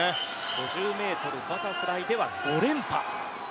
５０ｍバタフライでは５連覇。